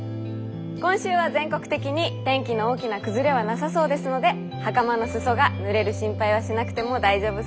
今週は全国的に天気の大きな崩れはなさそうですのではかまの裾がぬれる心配はしなくても大丈夫そうです。